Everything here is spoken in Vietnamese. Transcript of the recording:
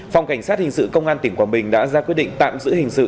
phòng cảnh sát hình sự công an tỉnh quảng bình đã ra quyết định tạm giữ hình sự